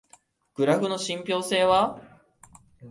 グラフの信憑性は？